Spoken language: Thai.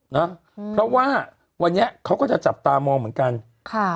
นะอืมเพราะว่าวันนี้เขาก็จะจับตามองเหมือนกันค่ะ